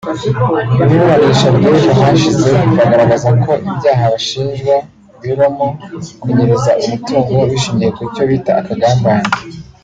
Mu iburanisha ry’ejo hashize bagaragaza ko ibyaha bashinjwa biromo kunyereza umutungo bishingiye ku cyo bita akagambane